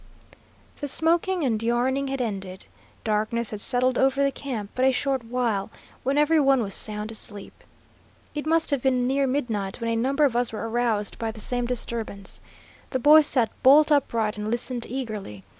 The smoking and yarning had ended. Darkness had settled over the camp but a short while, when every one was sound asleep. It must have been near midnight when a number of us were aroused by the same disturbance. The boys sat bolt upright and listened eagerly.